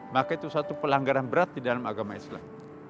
maka itu satu pelanggaran berat di dalam agama islam